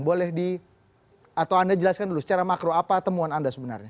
boleh di atau anda jelaskan dulu secara makro apa temuan anda sebenarnya